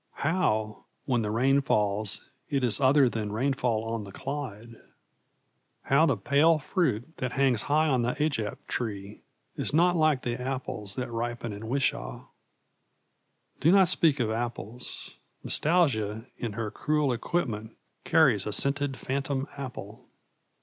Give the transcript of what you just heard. How, when the rain falls, it is other than rainfall on the Clyde! How the pale fruit that hangs high on the ajap tree is not like the apples that ripen in Wishaw! Do not speak of apples! Nostalgia in her cruel equipment carries a scented phantom apple.